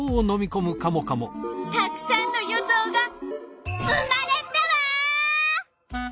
たくさんの予想が生まれたわ！